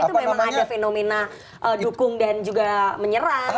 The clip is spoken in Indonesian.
itu memang ada fenomena dukung dan juga menyerang